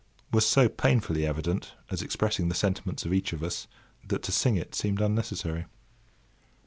was so painfully evident, as expressing the sentiments of each of us, that to sing it seemed unnecessary.